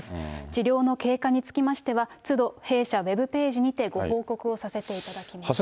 治療の経過につきましては、つど弊社ウエブページにて、ご報告をさせていただきます。